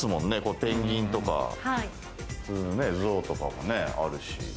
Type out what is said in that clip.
ペンギンとか、象とかもね、あるし。